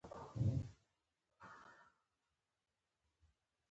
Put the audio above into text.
او زۀ پۀ سوچونو کښې ورک يم